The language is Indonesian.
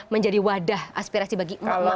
menjadi wadah aspirasi bagi emak emak